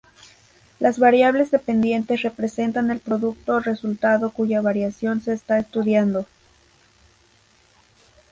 Las variables dependientes representan el producto o resultado cuya variación se está estudiando.